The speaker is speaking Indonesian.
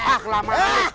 ah lama dulu